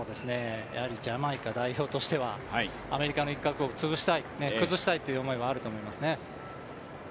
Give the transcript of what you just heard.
やはりジャマイカ代表としては、アメリカの一角を崩したいという思いがあると思いますね。